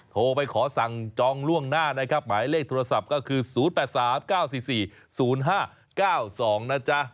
โทรไปขอสั่งจองล่วงหน้านะครับหมายเลขโทรศัพท์ก็คือ๐๘๓๙๔๔๐๕๙๒นะจ๊ะ